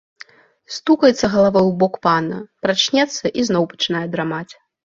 Стукаецца галавой у бок пана, прачнецца і зноў пачынае драмаць.